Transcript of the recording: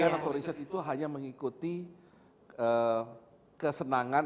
penelitian atau riset itu hanya mengikuti kesenangan